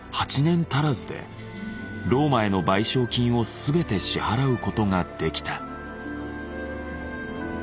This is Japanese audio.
８年足らずでローマへの賠償金を全て支払うことができた。